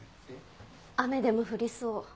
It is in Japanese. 雨でも降りそう。